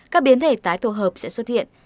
các biến thể tái tổ hợp sẽ xuất hiện